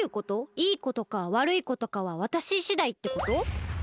いいことかわるいことかはわたししだいってこと？